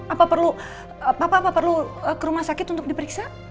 apa apa perlu ke rumah sakit untuk diperiksa